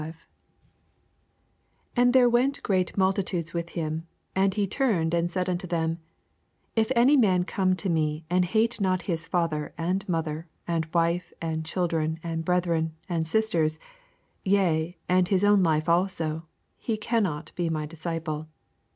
25 And there went great multitudes with him : and he turned, and said onto them, 26 If any man come to me, and bate not his father, and mother, and wife, and children, and brethren, and Bisters, yea, and his own life also, he cannot be my disciple.